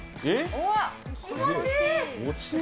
気持ちいい！